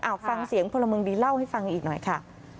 เอาฟังเสียงพลเมืองดีเล่าให้ฟังอีกหน่อยค่ะ